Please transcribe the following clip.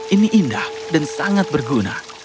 ini indah dan sangat berguna